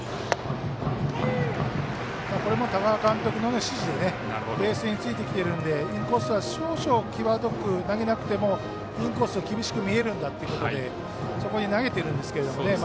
これも多賀監督の指示でベースについてきているのでインコースは少々際どく投げなくてもインコースは厳しく見えるんだということでそこに投げてるんですけどね。